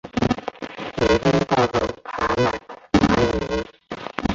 明天过后爬满蚂蚁